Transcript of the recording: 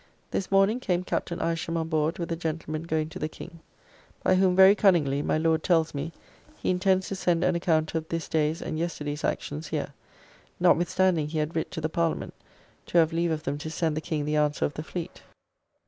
This morning came Captain Isham on board with a gentleman going to the King, by whom very cunningly, my Lord tells me, he intends to send an account of this day's and yesterday's actions here, notwithstanding he had writ to the Parliament to have leave of them to send the King the answer of the fleet.